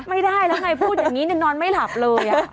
ไม่ได้แล้วไงพูดอย่างนี้นอนไม่หลับเลย